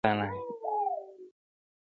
o محتسب مي دي وهي په دُرو ارزي,